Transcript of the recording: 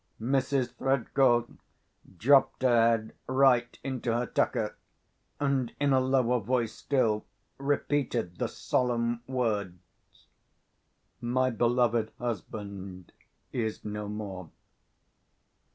Mrs. Threadgall dropped her head right into her tucker, and, in a lower voice still, repeated the solemn words, "My beloved husband is no more."